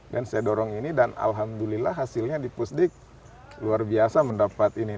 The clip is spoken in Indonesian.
dan saya dorong ini dan alhamdulillah hasilnya di pusdik luar biasa mendapat ini